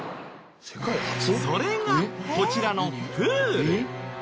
それがこちらのプール。